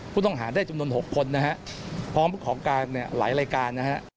ก็ต้องหาได้จำนวน๖คนพร้อมของการหลายรายการ